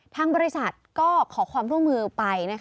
ทางบริษัทก็ขอความร่วมมือไป